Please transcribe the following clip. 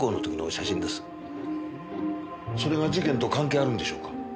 それが事件と関係あるんでしょうか？